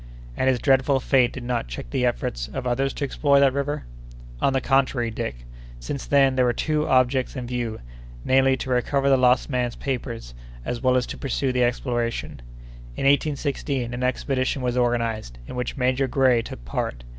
"And his dreadful fate did not check the efforts of others to explore that river?" "On the contrary, Dick. Since then, there were two objects in view: namely, to recover the lost man's papers, as well as to pursue the exploration. In 1816, an expedition was organized, in which Major Grey took part.